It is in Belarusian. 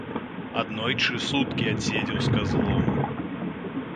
Аднойчы суткі адседзеў з казлом.